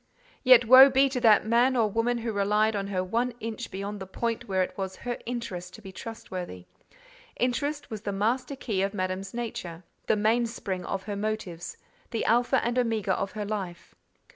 Yet, woe be to that man or woman who relied on her one inch beyond the point where it was her interest to be trustworthy: interest was the master key of Madame's nature—the mainspring of her motives—the alpha and omega of her life.